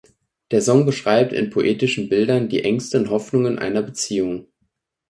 Der Song beschreibt in poetischen Bildern die Ängste und Hoffnungen einer Beziehung.